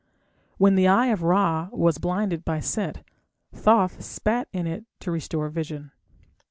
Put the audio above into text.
When the Eye of Ra was blinded by Set, Thoth spat in it to restore vision.